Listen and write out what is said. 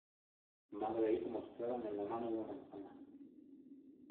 Madre e Hijo mostraban en la mano una manzana.